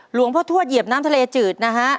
หลวงพ่อทวดเหยียบน้ำทะเลจืดนะฮะ